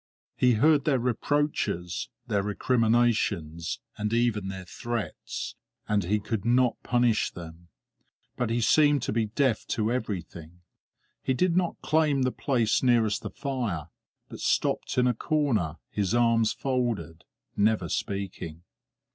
He heard their reproaches, their recriminations, and even their threats, and he could not punish them. But he seemed to be deaf to everything. He did not claim the place nearest the fire, but stopped in a corner, his arms folded, never speaking.